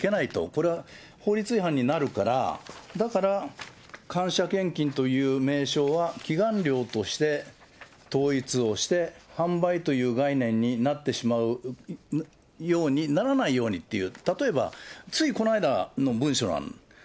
これは法律違反になるから、だから感謝献金という名称は祈願料として統一をして、販売という概念になってしまうようにならないようにっていう、例えば、ついこの間の文書なんです。